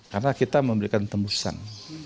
karena kita memberikan tembusan